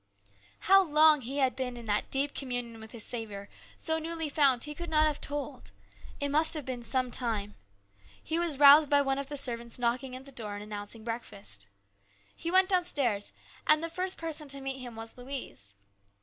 How long he had been in that deep communion with his Saviour, so newly found, he could not have told. It must have been some time. He was roused by one of the servants knocking at the door and announcing breakfast. He went downstairs, and the first person to meet him was Louise.